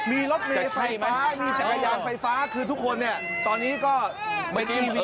มีรถเมย์ไฟฟ้ามีจักรยานไฟฟ้าคือทุกคนเนี่ยตอนนี้ก็ไม่ได้มี